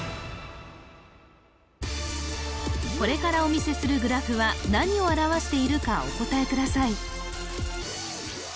これからお見せするグラフは何を表しているかお答えください